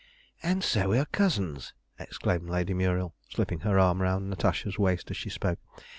"And so we are cousins!" exclaimed Lady Muriel, slipping her arm round Natasha's waist as she spoke.